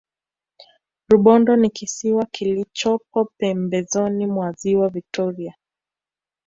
rubondo ni kisiwa kilichopo pembezoni mwa ziwa victoria